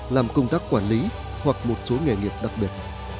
làm công tác quản lý hoặc một số nghề nghiệp đặc biệt